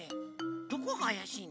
どこがあやしいの？